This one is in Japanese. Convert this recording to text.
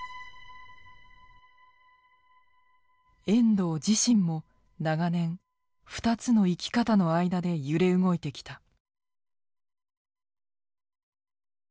遠藤自身も長年２つの生き方の間で揺れ動いてきた。